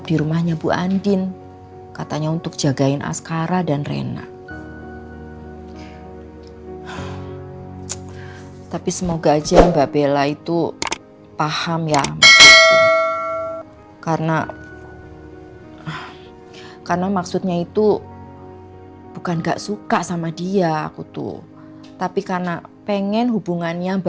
dan pada saat andi menikah dengan nino